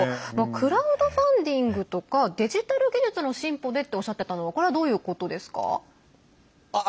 クラウドファンディングとかデジタル技術の進歩でとおっしゃっていたのはこれはどういうことですか。